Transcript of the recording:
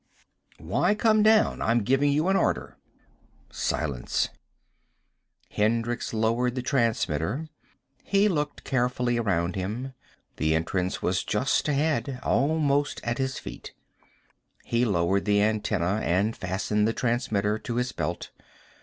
"Why come down? I'm giving you an order!" Silence. Hendricks lowered the transmitter. He looked carefully around him. The entrance was just ahead. Almost at his feet. He lowered the antenna and fastened the transmitter to his belt.